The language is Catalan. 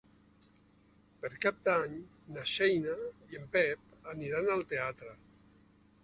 Per Cap d'Any na Xènia i en Pep aniran al teatre.